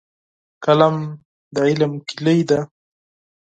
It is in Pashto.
قلم د علم کیلي ده.